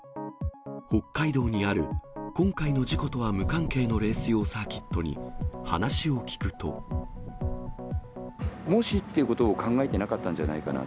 北海道にある今回の事故とは無関係のレース用サーキットに話を聞もしっていうことを考えてなかったんじゃないかな。